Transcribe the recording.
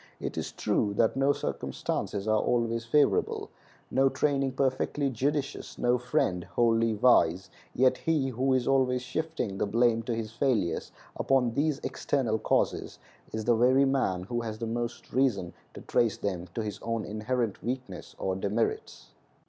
It is true that no circumstances are always favorable, no training perfectly judicious, no friend wholly wise, yet he who is always shifting the blame of his failures upon these external causes is the very man who has the most reason to trace them to his own inherent weakness or demerits.